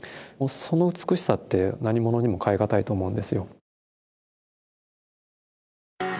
もうその美しさって何物にも代え難いと思うんですよ。